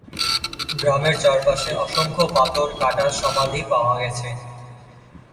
গ্রামের চারপাশে অসংখ্য পাথর কাটা সমাধি পাওয়া গেছে।